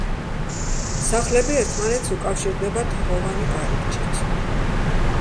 სახლები ერთმანეთს უკავშირდება თაღოვანი კარიბჭით.